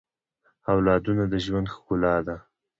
اولادونه د ژوند ښکلا ده